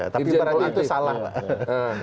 tapi berarti itu salah pak